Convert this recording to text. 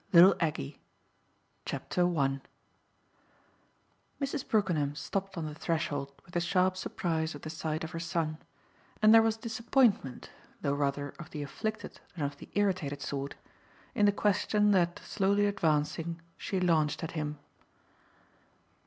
LITTLE AGGIE Mrs. Brookenham stopped on the threshold with the sharp surprise of the sight of her son, and there was disappointment, though rather of the afflicted than of the irritated sort, in the question that, slowly advancing, she launched at him.